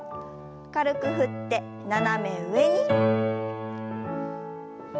軽く振って斜め上に。